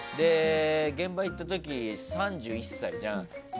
現場行った時３１歳じゃん。